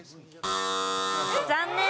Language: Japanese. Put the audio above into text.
残念。